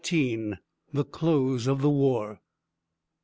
THE CLOSE OF THE WAR.